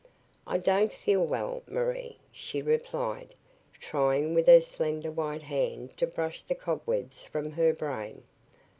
"I don't feel well, Marie," she replied, trying with her slender white hand to brush the cobwebs from her brain.